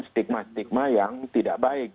stigma stigma yang tidak baik